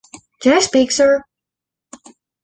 Did I speak, sir?